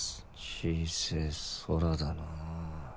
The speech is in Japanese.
小せぇ空だなぁ。